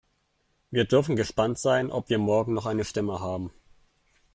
Wir dürfen gespannt sein, ob wir morgen noch eine Stimme haben.